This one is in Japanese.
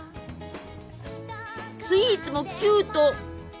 スイーツもキュート！